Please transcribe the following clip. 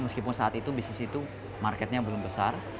meskipun saat itu bisnis itu marketnya belum besar